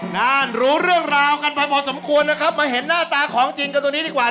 นานรู้เรื่องราวกันไปพอสมควรนะครับมาเห็นหน้าตาของจริงกันตรงนี้ดีกว่า